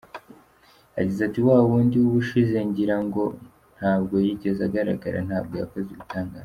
Yagize ati “Wawundi w’ubushize ngira ngo ntabwo yigeze agaragara, ntabwo yakoze ibitangaza.